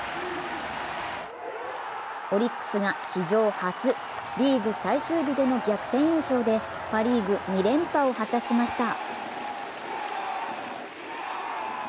オリックスが史上初リーグ最終日での逆転優勝でパ・リーグ２連覇を果たしました。